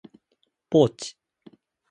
ポーチ